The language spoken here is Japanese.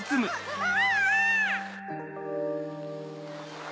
うわ！